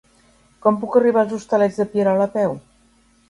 Com puc arribar als Hostalets de Pierola a peu?